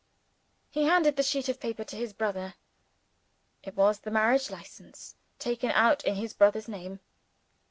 _" He handed the sheet of paper to his brother. It was the Marriage License, taken out in his brother's name.